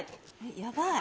やばい。